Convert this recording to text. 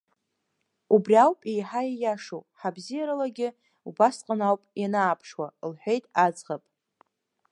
Убри ауп еиҳа ииашоу, ҳабзиаралагьы убасҟан ауп ианааԥшуа, — лҳәеит аӡӷаб.